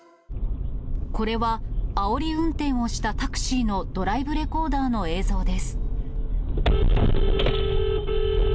これは、あおり運転をしたタクシーのドライブレコーダーの映像です。